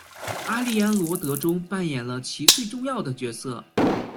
阿丽安萝德中扮演了其最重要的角色。